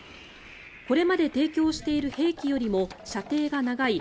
これまで提供している兵器よりも射程が長い